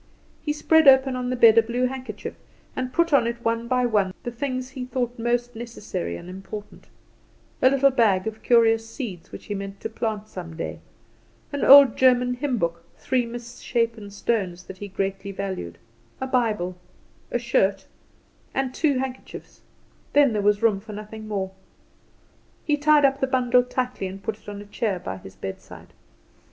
He spread open on the bed a blue handkerchief, and on it put one by one the things he thought most necessary and important a little bag of curious seeds, which he meant to plant some day, an old German hymn book, three misshapen stones that he greatly valued, a Bible, a shirt and two handkerchiefs; then there was room for nothing more. He tied up the bundle tightly and put it on a chair by his bedside.